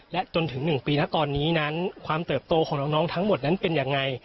และจนถึง๑ปีนะตอนนี้นั้นความเติบโตของน้องทั้งหมดนั้นเป็นยังไง